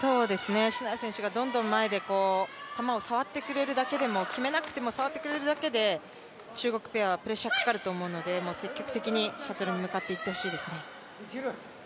篠谷選手がどんどん前で球を触ってくれるだけでも決めなくても触ってくれるだけで中国ペアはプレッシャーかかると思うので積極的にシャトルに向かっていってほしいですね。